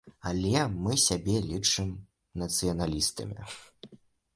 Але мы сябе лічым нацыяналістамі.